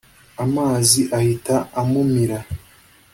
amazi ahita amumira